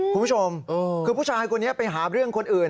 คุณผู้ชมคือผู้ชายคนนี้ไปหาเรื่องคนอื่น